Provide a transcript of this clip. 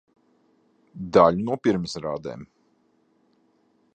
Daļu no pirmizrādēm.